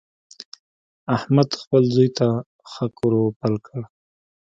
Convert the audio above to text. احمد خپل زوی ته حق ور پل کړ.